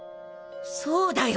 そうだよ！